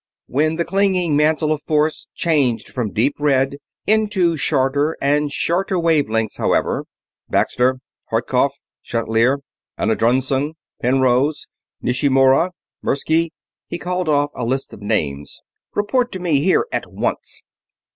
When the clinging mantle of force changed from deep red into shorter and even shorter wave lengths, however: "Baxter, Hartkopf, Chatelier, Anandrusung, Penrose, Nishimura, Mirsky ..." he called off a list of names. "Report to me here at once!"